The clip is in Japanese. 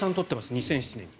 ２００７年に。